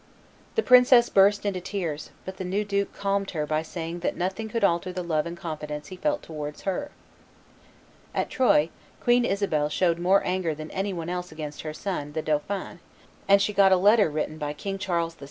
The princess burst into tears; but the new duke calmed her by saying that nothing could alter the love and confidence he felt towards her. At Troyes Queen Isabel showed more anger than any one else against her son, the dauphin; and she got a letter written by King Charles VI.